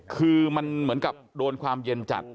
คือมันเหมือนกับโดนความเย็นจัด